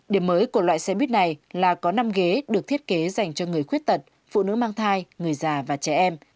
điểm mới của loại xe buýt này là có năm ghế được thiết kế dành cho người khuyết tật phụ nữ mang thai người già và trẻ em